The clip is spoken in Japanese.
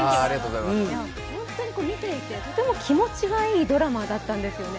見ていてとても気持ちのいいドラマだったんですよね。